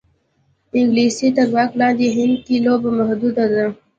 د انګلیس تر واک لاندې هند کې لوبه محدوده ده.